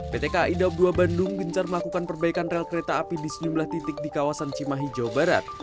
pt kai daup dua bandung gencar melakukan perbaikan rel kereta api di sejumlah titik di kawasan cimahi jawa barat